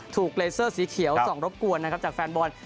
เลเซอร์สีเขียวส่องรบกวนนะครับจากแฟนบอล